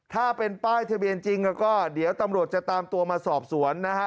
ถ้าเป็นป้ายทะเบียนจริงก็เดี๋ยวตำรวจจะตามตัวมาสอบสวนนะฮะ